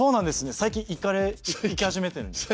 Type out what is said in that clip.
最近行かれ行き始めてるんですか？